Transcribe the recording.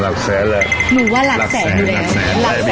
หลักแสไม่บริไฟล์เลย